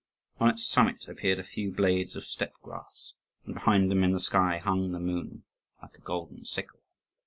On its summit appeared a few blades of steppe grass; and behind them, in the sky, hung the moon, like a golden sickle.